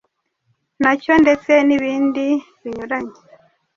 na cyo ndetse n’ibindi binyuranye